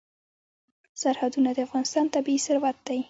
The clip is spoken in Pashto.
سرحدونه د افغانستان طبعي ثروت دی.